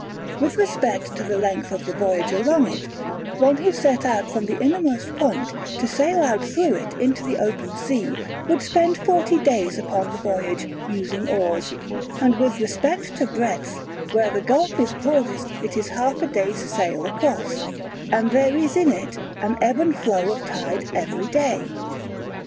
With respect to the length of the voyage along it, one who set out from the innermost point to sail out through it into the open sea, would spend forty days upon the voyage, using oars; and with respect to breadth, where the gulf is broadest it is half a day's sail across: and there is in it an ebb and flow of tide every day.